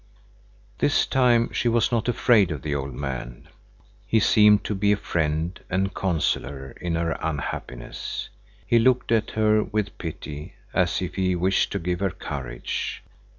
This time she was not afraid of the old man. He seemed to be a friend and consoler in her unhappiness. He looked at her with pity, as if he wished to give her courage.